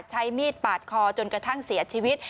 ใช้มีดปาดคอจนกระทั่งเสียชีวิต